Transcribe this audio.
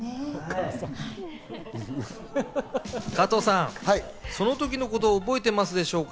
加藤さん、その時のことを覚えてますでしょうか？